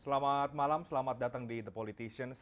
selamat malam selamat datang di the politicians